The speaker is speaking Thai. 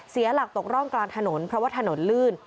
เสียหลักตกร่องกลางถนนเพราะว่าถนนลื่น